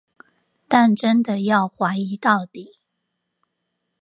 但真的要懷疑到底